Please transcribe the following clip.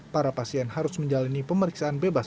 para pasien harus menjalani perawatan di atas kamar perawatan